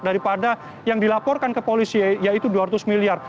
daripada yang dilaporkan ke polisi yaitu dua ratus miliar